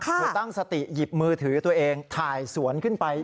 คือตั้งสติหยิบมือถือตัวเองถ่ายสวนขึ้นไป